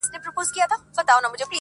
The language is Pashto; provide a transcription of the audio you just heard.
ته مي آیینه یې له غبار سره مي نه لګي؛